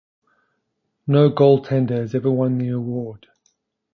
No goaltender has ever won the award.